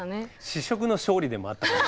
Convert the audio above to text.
試食の勝利でもあったかも。